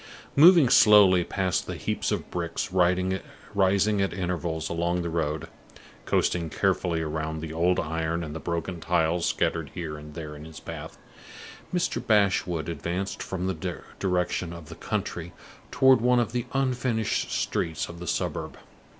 Moving slowly past the heaps of bricks rising at intervals along the road, coasting carefully round the old iron and the broken tiles scattered here and there in his path, Mr. Bashwood advanced from the direction of the country toward one of the unfinished streets of the suburb.